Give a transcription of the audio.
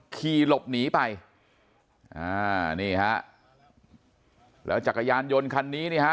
ขี่หลบหนีไปอ่านี่ฮะแล้วจักรยานยนต์คันนี้นี่ฮะ